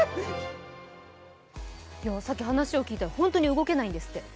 さっき話を聞いたら本当に動けないんですって。